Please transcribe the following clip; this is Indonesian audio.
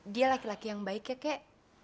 dia laki laki yang baik ya kek